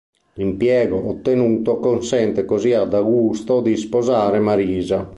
L'impiego ottenuto consente così ad Augusto di sposare Marisa.